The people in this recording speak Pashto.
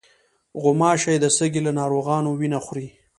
غوماشې د سږي له ناروغانو وینه خوري.